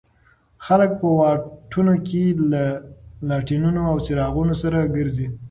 خلک په واټونو کې له لاټېنونو او څراغونو سره ګرځي.